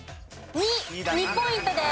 ２ポイントです。